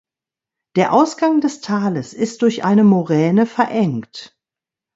Der Ausgang des Tales ist durch eine Moräne verengt.